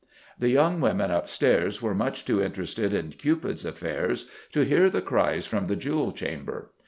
The young women upstairs were much too interested in Cupid's affairs to hear the cries from the Jewel chamber.